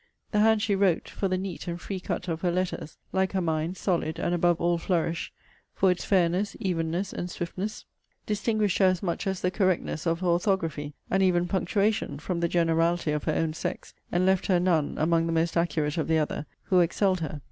The hand she wrote, for the neat and free cut of her letters, (like her mind, solid, and above all flourish,) for its fairness, evenness, and swiftness, distinguished her as much as the correctness of her orthography, and even punctuation, from the generality of her own sex; and left her none, among the most accurate of the other, who excelled her.